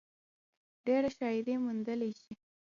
ډېره شاعري موندلے شي ۔